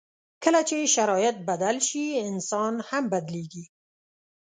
کله چې شرایط بدل شي، انسان هم بدل کېږي.